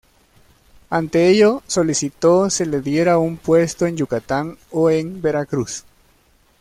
Ante ello, solicitó se le diera un puesto en Yucatán o en Veracruz.